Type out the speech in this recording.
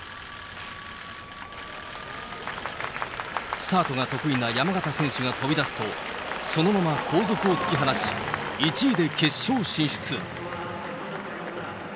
スタートが得意な山縣選手が飛び出すと、そのまま後続を突き放し、１位で決勝進出。